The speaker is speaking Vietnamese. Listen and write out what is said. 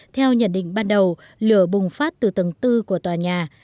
theo nhận định ban đầu lửa bùng phát từ tầng bốn của tòa nhà